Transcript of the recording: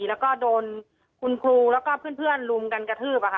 แล้วก็โดนคุณครูแล้วก็เพื่อนลุมกันกระทืบ